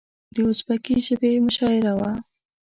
د ازبکي ژبې مشاعره وه.